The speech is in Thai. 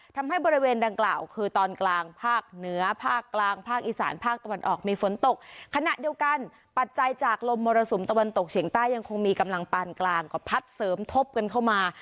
ทำให้บริเวณดังกล่าวคือตอนกลางภาคเหนือภาคกลางภาคอีสานภาคตะวันออกมีฝนตกขณะเดียวกันปัจจัยจากลมมรสุมตะวันตกเฉียงใต้ยังคงมีกำลังปานกลางก็พัดเสริมทบกันเข้ามา